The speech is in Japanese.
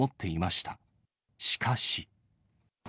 しかし。